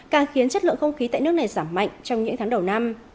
càng khiến chất lượng không khí tại nước này giảm mạnh trong những tháng đầu năm